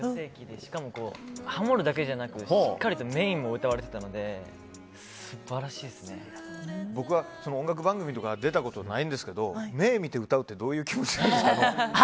しかもハモるだけじゃなくしっかりと目を見て歌われてたので僕は音楽番組とか出たことないんですけど目を見て歌うってどういう気持ちなんですか？